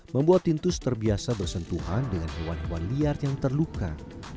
membuat tintus terbiasa bersentuhan dengan hewan hewan liar yang terluka